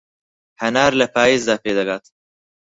هەنار لە پایزدا پێدەگات.